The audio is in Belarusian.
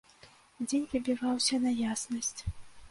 Дзень выбіваўся на яснасць.